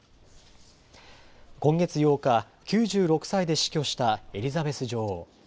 今月８日、９６歳で死去したエリザベス女王。